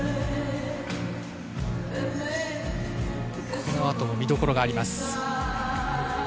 この後も見どころがあります。